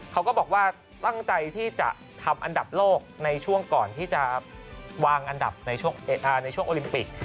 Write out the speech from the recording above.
เขาก็บอกว่าตั้งใจที่จะทำอันดับโลกในช่วงก่อนที่จะวางอันดับในช่วงโอลิมปิก